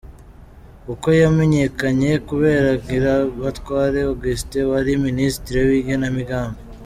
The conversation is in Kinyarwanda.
- Uko yamenyekanye kubera Ngirabatware Augustin wari Ministre w’igenamigambi